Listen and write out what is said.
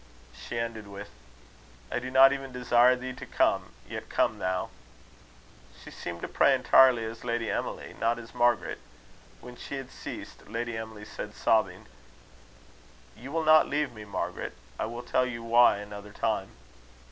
She ended with: "I do not even desire thee to come, yet come thou." She seemed to pray entirely as Lady Emily, not as Margaret. When she had ceased, Lady Emily said, sobbing: "You will not leave me, Margaret? I will tell you why another time."